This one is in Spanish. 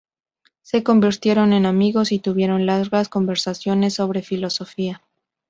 Se convirtieron en amigos, y tuvieron largas conversaciones sobre filosofía.